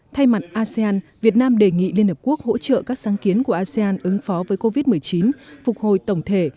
thay mặt asean việt nam đề nghị liên hợp quốc hỗ trợ các sáng kiến của asean ứng phó với covid một mươi chín phục hồi tổng thể